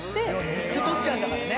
３つとっちゃうんだからね。